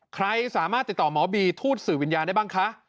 ใครสามารถติดต่อหมอบีทูตสื่อวิญญาณได้บ้างคะ